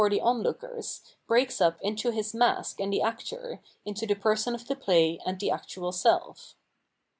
II.— z 754 Themmmology of Mind onlookers, breaks up into his mask and the actor, into the person of the play and the actual self.